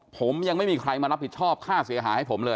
ผมยังไม่มีใครมารับผิดชอบค่าเสียหายให้ผมเลย